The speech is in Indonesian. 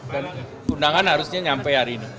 dan undangan harusnya nyampe hari ini